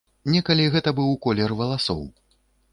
Некалі гэта быў колер валасоў.